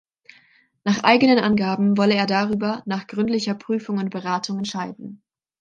Nach eigenen Angaben wolle er darüber "nach gründlicher Prüfung und Beratung" entscheiden.